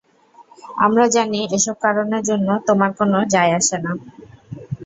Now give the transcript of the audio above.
আমরা জানি এসব কারণের জন্য তোমার কোনো জায় আসেনা।